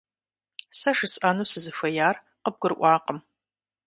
Сэ жысӏэну сызыхуеяр къыбгурыӏуакъым.